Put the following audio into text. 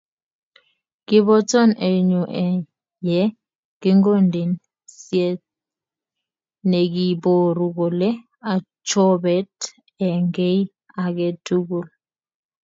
Kibotoni eunyu ye kingondeni sieet nekiiboru kole achobet eng kei age tugul.